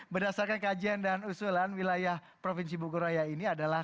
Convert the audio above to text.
berdasarkan kajian dan usulan wilayah provinsi bogoraya ini adalah